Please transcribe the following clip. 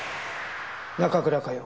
中倉佳世。